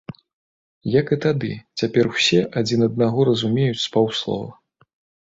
Як і тады, цяпер усе адзін аднаго разумеюць з паўслова.